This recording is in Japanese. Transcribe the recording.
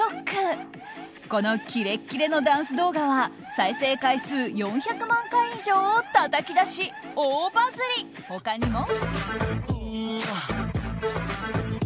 このキレッキレのダンス動画は再生回数４００万回以上をたたき出し、大バズり！他にも。